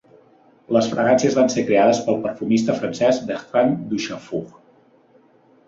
Les fragàncies van ser creades pel perfumista francès Bertrand Duchaufour.